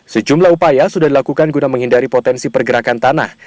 sejumlah upaya sudah dilakukan guna menghindari potensi pergerakan tanah